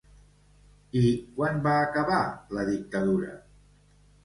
I quan va acabar la dictadura?